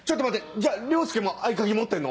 じゃあ凌介も合鍵持ってんの？